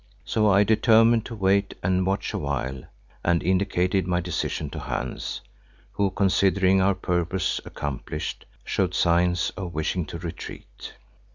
So I determined to wait and watch a while, and indicated my decision to Hans, who, considering our purpose accomplished, showed signs of wishing to retreat.